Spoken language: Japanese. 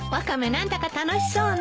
何だか楽しそうね。